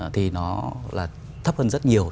thì nó là thấp hơn rất nhiều